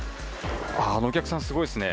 あのお客さん、すごいですね。